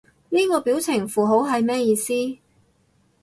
呢個表情符號係咩意思？